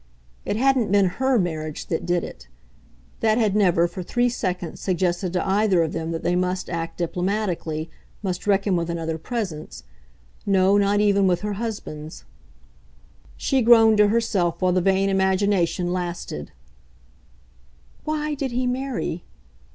It hadn't been HER marriage that did it; that had never, for three seconds, suggested to either of them that they must act diplomatically, must reckon with another presence no, not even with her husband's. She groaned to herself, while the vain imagination lasted, "WHY did he marry?